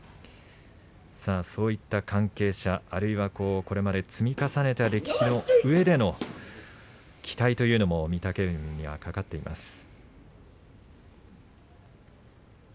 そういった関係者あるいはこれまで積み重ねた歴史の上での期待というのも御嶽海は、懸かっています。